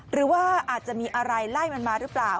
หรือว่าอาจจะมีอะไรไล่มันมาหรือเปล่า